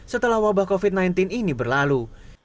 setelah wabah covid sembilan belas ini berlalu